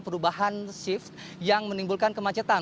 perubahan shift yang menimbulkan kemacetan